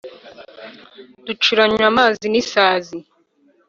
Ducuranywa amazi n'isazi